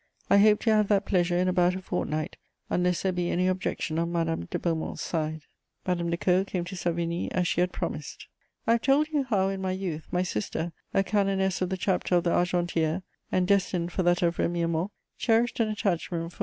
I hope to have that pleasure in about a fortnight, unless there be any objection on Madame de Beaumont's side." Madame de Caud came to Savigny as she had promised. I have told you how, in my youth, my sister, a canoness of the Chapter of the Argentière, and destined for that of Remiremont, cherished an attachment for M.